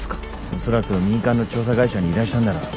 おそらく民間の調査会社に依頼したんだろう。